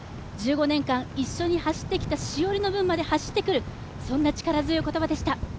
１５年間、一緒に走ってきた詩織の分まで走ってくる、そんな力強い言葉でした。